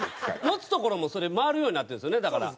持つ所もそれ回るようになってるんですよねだから。